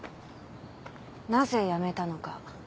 なぜ辞めたのか。